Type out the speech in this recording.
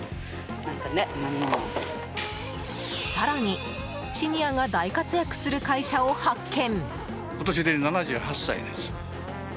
更に、シニアが大活躍する会社を発見。